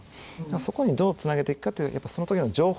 そこにどうつなげていくかってやっぱその時の情報発信。